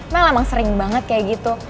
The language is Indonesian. mel emang sering banget kayak gitu